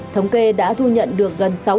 thống kê đã thu nhận được gần sáu triệu